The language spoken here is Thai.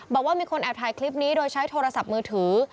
บอกว่ามีคนแอบถ่ายคลิปนี้โดยใช้โทรศัพท์มือถือ